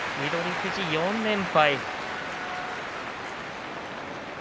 富士は４連敗。